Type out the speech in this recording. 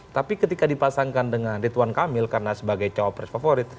tapi ketika dipasangkan dengan ritwan kamil karena sebagai cawapres favorit